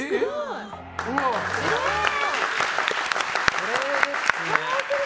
これですね。